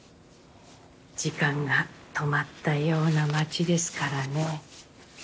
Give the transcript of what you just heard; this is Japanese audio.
時間が止まったような町ですからね。